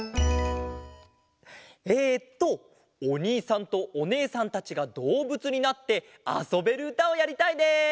えっとおにいさんとおねえさんたちがどうぶつになってあそべるうたをやりたいです。